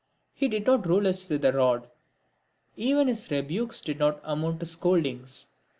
He did not rule us with a rod. Even his rebukes did not amount to scoldings.